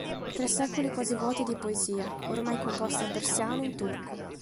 Tre secoli quasi vuoti di poesia, ormai composta in persiano e in turco.